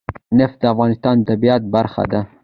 نفت د افغانستان د طبیعت برخه ده.